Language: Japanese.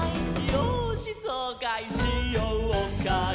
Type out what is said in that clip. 「よーしそうかいしようかい」